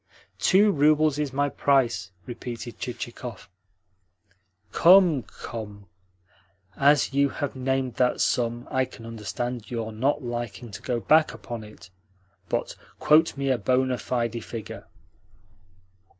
"Two roubles is my price," repeated Chichikov. "Come, come! As you have named that sum, I can understand your not liking to go back upon it; but quote me a bona fide figure."